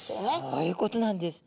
そういうことなんです。